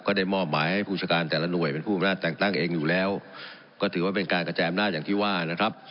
ได้มอบหมายให้ผู้จัดการแต่ละหน่วยเป็นผู้อำนาจแต่งตั้งเองอยู่แล้วก็ถือว่าเป็นการกระจายอำนาจอย่างที่ว่านะครับ